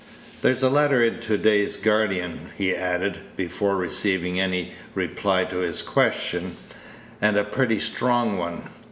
"There's a letter in to day's Guardian," he added, before receiving any reply to his question, "and a pretty strong one.